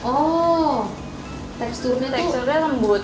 oh teksturnya lembut